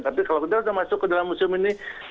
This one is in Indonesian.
tapi kalau kita sudah masuk ke dalam museum ini